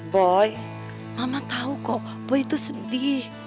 boy mama tahu kok boy itu sedih